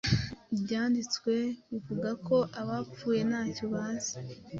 Ibyanditswe bivuga ko “ abapfuye ntacyo bazi.”